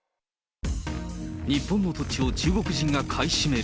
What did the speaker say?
日本の土地を中国人が買い占める。